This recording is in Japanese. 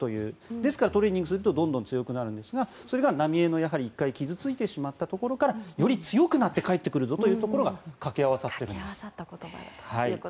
ですから、トレーニングするとどんどん強くなるんですがそれが浪江の１回傷付いてしまったところからより強くなって帰ってくるぞというところがかけ合わさっているんです。